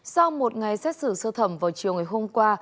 sau một ngày xét xử sơ thẩm vào chiều ngày hôm qua